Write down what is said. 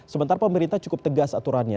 sementara pemerintah cukup tegas aturannya